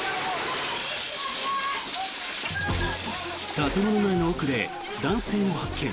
建物内の奥で男性を発見。